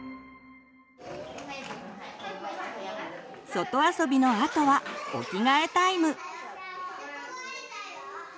外遊びのあとはお着替えタイム。